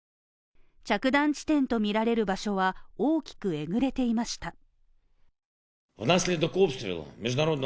着弾地点とみられる場所は、大きくえぐれていました。